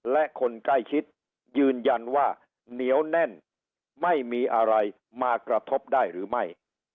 และคนใกล้ชิดยืนยันว่าเหนียวแน่นไม่มีอะไรมากระทบได้หรือไม่